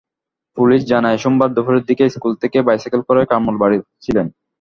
Police জানায়, সোমবার দুপুরের দিকে স্কুল থেকে বাইসাইকেলে করে কামরুল বাড়ি ফিরছিলেন।